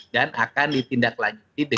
dan akan ditindaklanjuti